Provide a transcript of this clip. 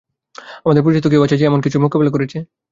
আমাদের পরিচিত কেউ আছে যে এমন কিছুর মোকাবিলা করেছে?